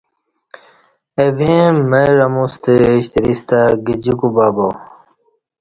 اہ ویں مرہ اموستہ شتریس تہ گجی کُبہ ا۔